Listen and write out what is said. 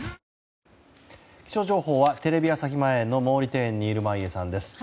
気象情報はテレビ朝日前の毛利庭園にいる眞家さんです。